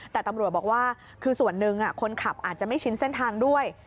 แต่ตำรวจบอกว่าคือส่วนหนึ่งคนขับอาจจะไม่ชินเส้นทางด้วย